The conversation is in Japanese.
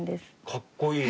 かっこいい！